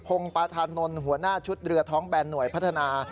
งปาธานนท์หัวหน้าชุดเรือท้องแบนหน่วยพัฒนา